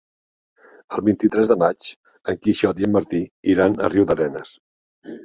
El vint-i-tres de maig en Quixot i en Martí iran a Riudarenes.